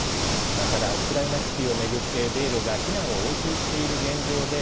ただ、ウクライナ危機を巡って米ロが非難を応酬している現状で